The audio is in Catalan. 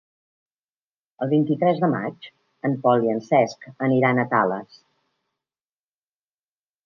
El vint-i-tres de maig en Pol i en Cesc aniran a Tales.